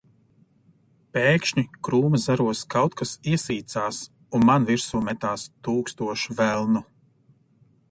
Pēkšņi krūma zaros kaut kas iesīcās un man virsū metās tūkstoš velnu.